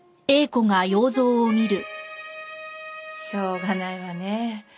しょうがないわね。